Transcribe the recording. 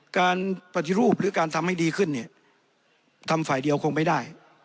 การปฏิรูปหรือการทำให้ดีขึ้นเนี่ยทำฝ่ายเดียวคงไม่ได้